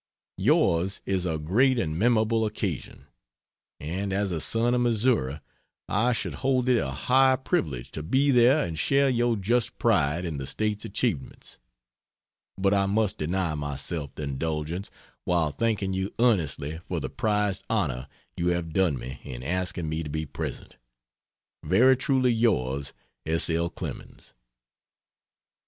Yours is a great and memorable occasion, and as a son of Missouri I should hold it a high privilege to be there and share your just pride in the state's achievements; but I must deny myself the indulgence, while thanking you earnestly for the prized honor you have done me in asking me to be present. Very truly yours, S. L. CLEMENS.